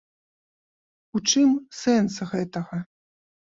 У чым сэнс гэтага?